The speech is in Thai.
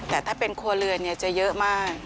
แต่ถ้าเป็นครัวเรือนจะเยอะมาก